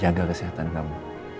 jaga kesehatan kamu